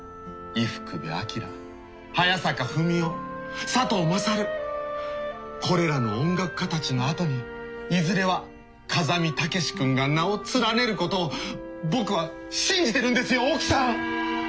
伊福部昭早坂文雄佐藤勝これらの音楽家たちのあとにいずれは風見武志君が名を連ねることを僕は信じてるんですよ奥さん！